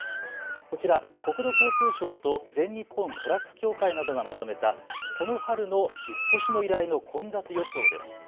こちら、国土交通省と全日本トラック協会などがまとめたこの春の引っ越しの依頼の混雑予想です。